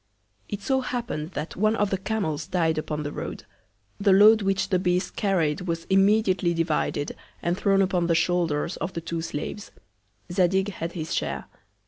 It so happen'd that one of the Camels died upon the Road: The Load which the Beast carried was immediately divided, and thrown upon the Shoulders of the two Slaves; Zadig had his Share.